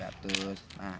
kan apa itu bang ya